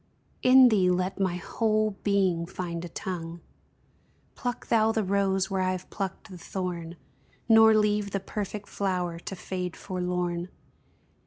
In thee let my whole being find a tongue ; Pluck thou the rose where I have plucked the thorn, Nor leave the perfect flower to fade forlorn.